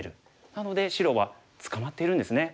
なので白は捕まっているんですね。